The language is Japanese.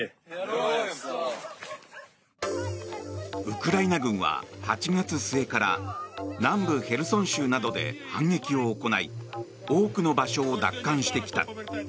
ウクライナ軍は８月末から南部ヘルソン州などで反撃を行い多くの場所を奪還してきた。